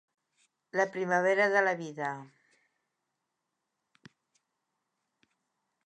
La primavera de la vida.